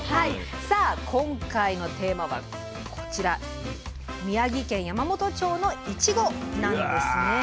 さあ今回のテーマはこちら宮城県山元町のいちごなんですね。